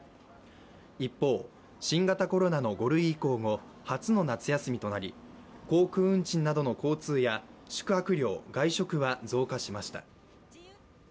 一方、新型コロナの５類移行後、初の夏休みとなり、航空運賃などの交通や宿泊料、外食は増加しました。